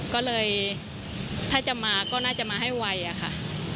ก็เลยถ้าจะมาก็น่าจะมาให้ไวอะค่ะ